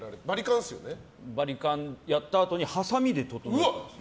バリカンをやったあとにはさみで整えてるんです。